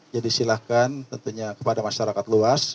jadi silakan tentunya kepada masyarakat luas